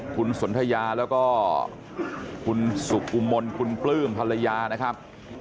คุณสนทยาแล้วก็คุณสุกุมลคุณปลื้มภรรยานะครับ